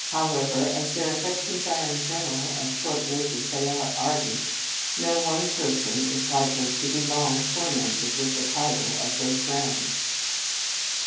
How ever, as their affections are in general as short lived as they are ardent, no 96 In Retreat one person is likely to be long tor mented with the title of their friend."